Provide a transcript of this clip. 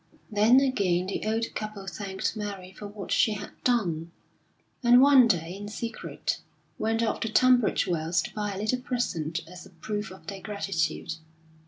Then again the old couple thanked Mary for what she had done; and one day, in secret, went off to Tunbridge Wells to buy a little present as a proof of their gratitude.